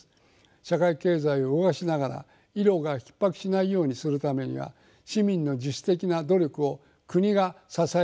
社会経済を動かしながら医療がひっ迫しないようにするためには市民の自主的な努力を国が支えることが重要だと思います。